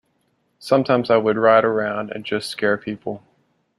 Sometimes I would ride around and just scare people.